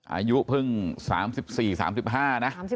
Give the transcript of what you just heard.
อายุเพิ่ง๓๔๓๕นะ